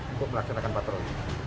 untuk melaksanakan patrol